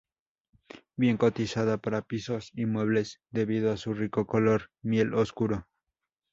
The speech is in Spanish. Bien cotizada para pisos y muebles debido a su rico color miel oscuro.